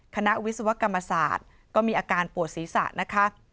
คณะวิศวกรรมศาสตร์ก็มีอาการปวดศีรษะนะคะ